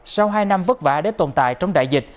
sau hai năm vất vả để tồn tại trong đại dịch